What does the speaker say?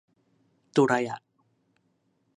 ดุไรอ่ะ